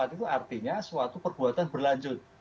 enam puluh empat itu artinya suatu perbuatan berlanjut